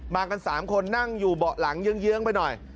มากัน๓คนนั่งอยู่เบาะหลังเยื้องไปหน่อย